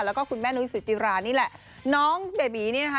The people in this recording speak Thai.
แล้วก็คุณแม่นุ้ยสุจิรานี่แหละน้องเบบีนี่นะคะ